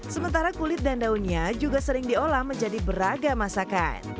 sementara kulit dan daunnya juga sering diolah menjadi beragam masakan